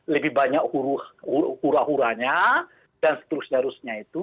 lebih banyak huru hura huranya dan seterusnya seterusnya itu